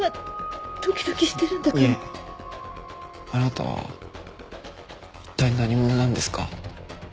あなたは一体何者なんですか？